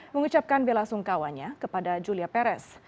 mengucapkan bela sungkawanya kepada julia perez